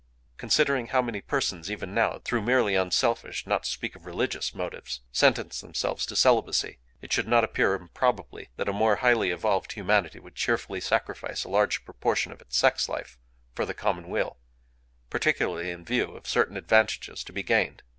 Considering how many persons, even now, through merely unselfish (not to speak of religious) motives, sentence themselves to celibacy, it should not appear improbable that a more highly evolved humanity would cheerfully sacrifice a large proportion of its sex life for the common weal, particularly in view of certain advantages to be gained.